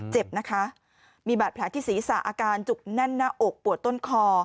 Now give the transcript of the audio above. เจ็บนะคะมีบาดแผลที่ศีรษะอาการจุกแน่นหน้าอกปวดต้นคอ